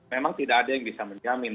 memang tidak ada yang bisa menjamin